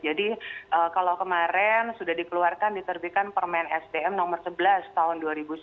jadi kalau kemarin sudah dikeluarkan diterbitkan permen sdm nomor sebelas tahun dua ribu sembilan belas